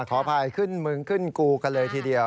ขออภัยขึ้นมึงขึ้นกูกันเลยทีเดียว